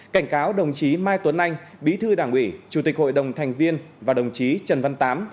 cảnh cáo đồng chí mai tuấn anh bí thư đảng ủy chủ tịch hội đồng thành viên và đồng chí trần văn tám